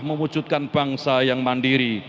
memwujudkan bangsa yang mandiri